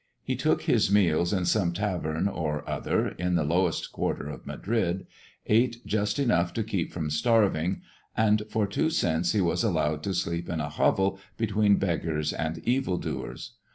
He took his meals in some tavern or other in the lowest quarter of Madrid, ate just enough to keep from starving, and for two cents he was allowed to sleep in a hovel between beggars and evil doers.